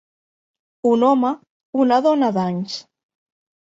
Un home, una dona d'anys.